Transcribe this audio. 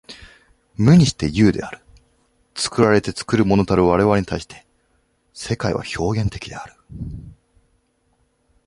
無にして有である。作られて作るものたる我々に対して、世界は表現的である。